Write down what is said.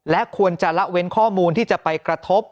และควรจะละเว้นข้อมูลที่จะไปกระทบ